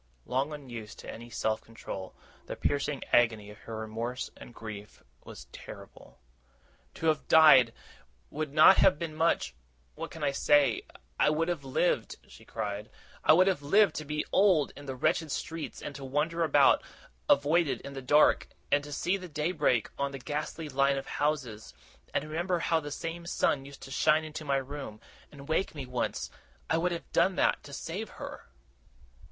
Long unused to any self control, the piercing agony of her remorse and grief was terrible. 'To have died, would not have been much what can I say? I would have lived!' she cried. 'I would have lived to be old, in the wretched streets and to wander about, avoided, in the dark and to see the day break on the ghastly line of houses, and remember how the same sun used to shine into my room, and wake me once I would have done even that, to save her!